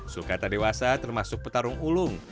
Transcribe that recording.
sulkata dewasa termasuk petarung ulung